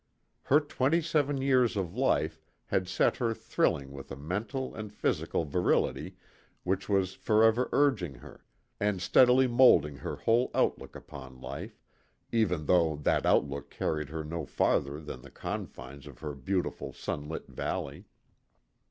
Her twenty seven years of life had set her thrilling with a mental and physical virility which was forever urging her, and steadily moulding her whole outlook upon life, even though that outlook carried her no farther than the confines of her beautiful sunlit valley.